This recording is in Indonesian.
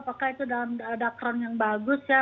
apakah itu dalam dakron yang bagus ya